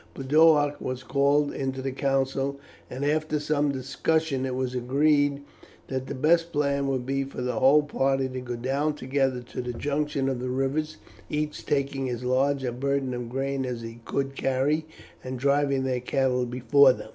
Boduoc was called into the council, and after some discussion it was agreed that the best plan would be for the whole party to go down together to the junction of the rivers, each taking as large a burden of grain as he could carry, and driving their cattle before them.